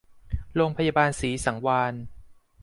โรงพยาบาลศรีสังวาลย์